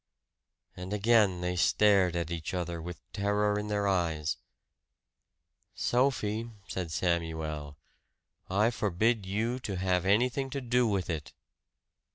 And again they stared at each other with terror in their eyes. "Sophie," said Samuel, "I forbid you to have anything to do with it!"